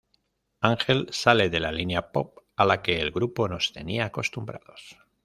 Angel sale de la línea pop a la que el grupo nos tenía acostumbrados.